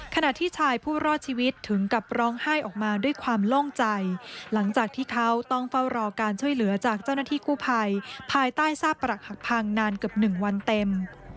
ขณะที่ชายผู้รอดชีวิตถึงกับร้องไห้ออกมาด้วยความโล่งใจหลังจากที่เขาต้องเฝ้ารอการช่วยเหลือจากเจ้าหน้าที่กู้ภัยภายใต้ซากปรักหักพังนานเกือบ๑วันเต็ม